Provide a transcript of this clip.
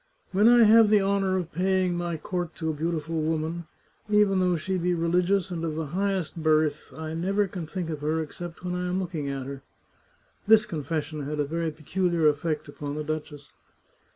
" When I have the honour of paying my court to a beau tiful woman, even though she be religious and of the high est birth, I never can think of her except when I am looking at her." This confession had a very peculiar effect upon the duchess.